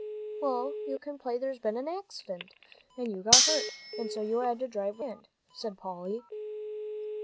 "Well, you can play there's been an accident, and you got hurt, and so you had to drive with that hand," said Polly.